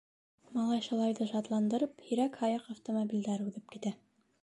Малай-шалайҙы шатландырып, һирәк-һаяҡ автомобилдәр уҙып китә.